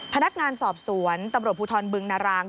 พนักงานสอบสวนตำรวจภูทรบึงนาราง